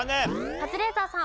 カズレーザーさん。